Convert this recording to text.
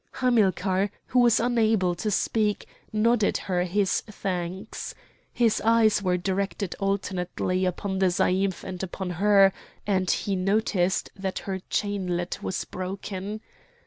Hamilcar, who was unable to speak, nodded her his thanks. His eyes were directed alternately upon the zaïmph and upon her, and he noticed that her chainlet was broken.